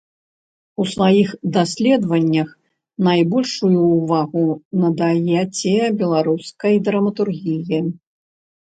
У сваіх даследаваннях найбольшую ўвагу надаяце беларускай драматургіі.